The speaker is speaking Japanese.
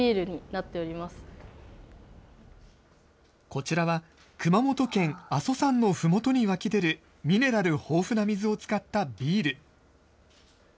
こちらは熊本県阿蘇山のふもとに湧き出る、ミネラル豊富な水を使ったビール。